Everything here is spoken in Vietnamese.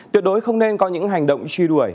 tuyệt đối không nên có những hành động truy đuổi